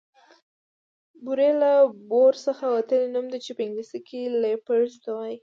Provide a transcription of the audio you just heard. بوری له بور څخه وتلی نوم دی چې په انګليسي کې ليپرډ ته وايي